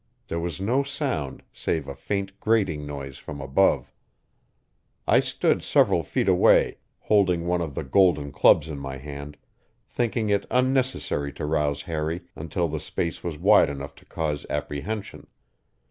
There was no sound save a faint grating noise from above. I stood several feet away, holding one of the golden clubs in my hand, thinking it unnecessary to rouse Harry until the space was wide enough to cause apprehension.